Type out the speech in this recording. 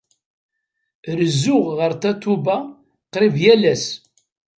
Rezzuɣ ɣef Tatoeba qrib yal ass.